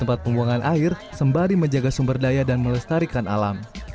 tempat pembuangan air sembari menjaga sumber daya dan melestarikan alam